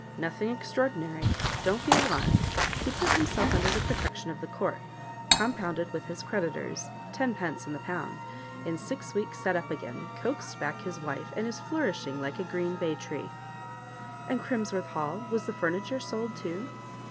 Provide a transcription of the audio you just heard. "Nothing extraordinary don't be alarmed; he put himself under the protection of the court, compounded with his creditors tenpence in the pound; in six weeks set up again, coaxed back his wife, and is flourishing like a green bay tree." "And Crimsworth Hall was the furniture sold too?"